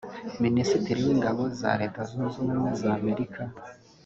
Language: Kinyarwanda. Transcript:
Minisitiri w’ingabo za Leta zunze ubumwe za Amerika